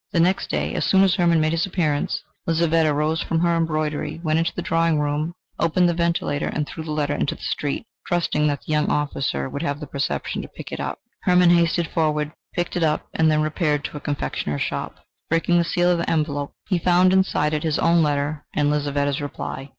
The next day, as soon as Hermann made his appearance, Lizaveta rose from her embroidery, went into the drawing room, opened the ventilator and threw the letter into the street, trusting that the young officer would have the perception to pick it up. Hermann hastened forward, picked it up and then repaired to a confectioner's shop. Breaking the seal of the envelope, he found inside it his own letter and Lizaveta's reply.